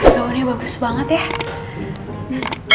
gaunnya bagus banget ya